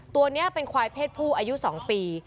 ตัวนี้เป็นควายเพศผู้อายุ๒ปี